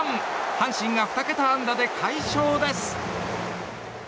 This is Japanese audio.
阪神が２桁安打で快勝です。